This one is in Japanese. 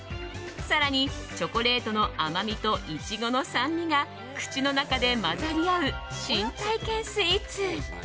更に、チョコレートの甘みとイチゴの酸味が口の中で混ざり合う新体験スイーツ。